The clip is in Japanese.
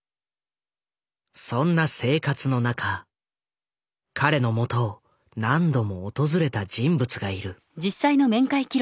そんな生活の中彼のもとを何度も訪れた人物がいる。